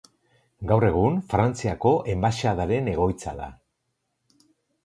Gaur egun Frantziako enbaxadaren egoitza da.